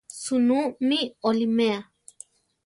¿Sunú mi oliméa?